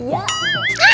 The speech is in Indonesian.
pak susah paman munsttest